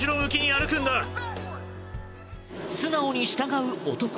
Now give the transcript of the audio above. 素直に伴う男。